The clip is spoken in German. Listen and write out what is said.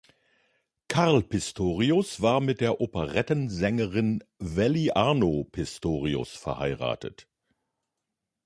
Karl Pistorius war mit der Operettensängerin Wally-Arno Pistorius verheiratet.